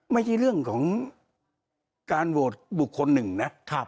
ไม่ใช่เรื่องของการโหวตบุคคลหนึ่งนะ